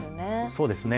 そうですね。